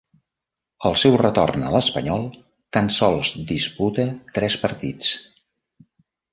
Al seu retorn a l'Espanyol tan sols disputa tres partits.